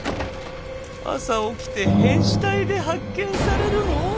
朝起きて変死体で発見されるの？